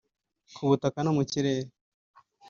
ku butaka no mu kirere